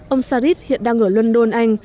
ông sharif hiện đang ở london anh